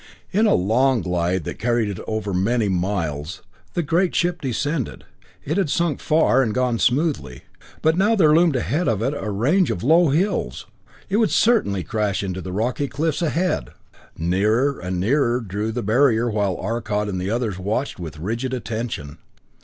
In a long glide that carried it over many miles, the great ship descended. It had sunk far, and gone smoothly, but now there loomed ahead of it a range of low hills! It would certainly crash into the rocky cliffs ahead! Nearer and nearer drew the barrier while Arcot and the others watched with rigid attention.